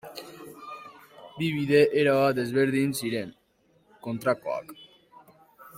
Bi bide erabat desberdin ziren, kontrakoak.